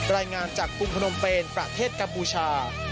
รายงานจากกรุงพนมเปนประเทศกัมพูชา